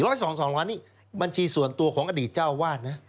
๑๓๒ล้านนี่บัญชีส่วนตัวของอดีตเจ้าอวาลนะ